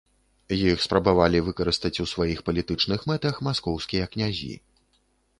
Іх спрабавалі выкарыстаць у сваіх палітычных мэтах маскоўскія князі.